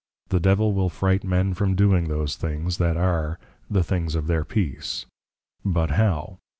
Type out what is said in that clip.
The Devil will fright men from doing those things, that are, the Things of their Peace; but How?